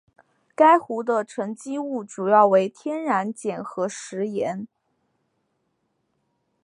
该湖的沉积物主要为天然碱和石盐。